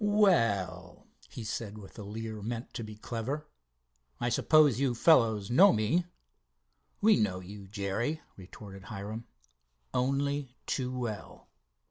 "Well," he said, with a leer meant to be clever, "I suppose you fellows know me?" "We know you, Jerry," retorted Hiram, "only too well."